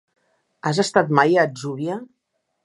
Has estat mai a l'Atzúbia?